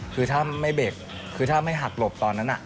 คือถ้าไม่เบรกคือถ้าไม่หักหลบตอนนั้น